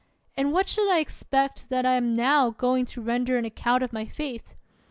And what should I expect that am now going to render an account of my faith?